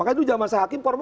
itu sejak saya hakim